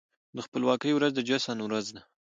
د خپلواکۍ ورځ د جشن ورځ ده.